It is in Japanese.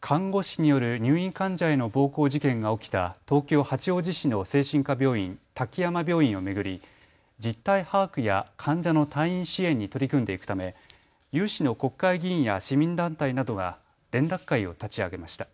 看護師による入院患者への暴行事件が起きた東京八王子市の精神科病院、滝山病院を巡り実態把握や患者の退院支援に取り組んでいくため有志の国会議員や市民団体などが連絡会を立ち上げました。